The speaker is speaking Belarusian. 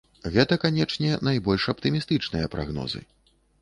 Гэта, канечне, найбольш аптымістычныя прагнозы.